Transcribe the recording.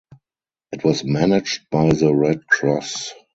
It was managed by the Red Cross.